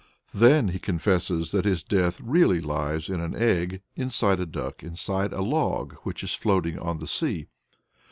Then he confesses that his "death" really lies in an egg, inside a duck, inside a log which is floating on the sea.